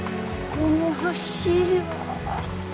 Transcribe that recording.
ここの橋は。